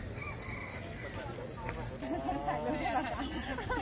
มัวนินดาวแน่นอน